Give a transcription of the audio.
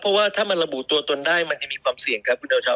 เพราะว่าถ้ามันระบุตัวตนได้มันจะมีความเสี่ยงครับคุณดาวชาว